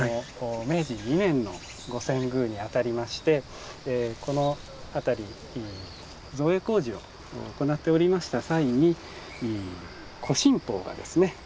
明治２年の御遷宮にあたりましてこの辺り造営工事を行っておりました際に古神宝がですね